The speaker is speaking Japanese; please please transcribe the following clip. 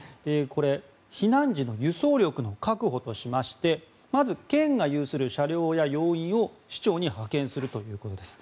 避難時の輸送力の確保としましてまず県が有する車両や要員を市町に派遣するということです。